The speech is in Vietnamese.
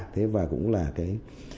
thế và cũng là cái